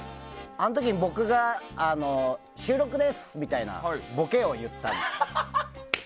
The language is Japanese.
あの時に僕が、収録ですみたいなボケを言ったんですよ。